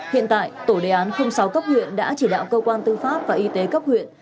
hiện tại tổ đề án sáu cấp huyện đã chỉ đạo cơ quan tư pháp và y tế cấp huyện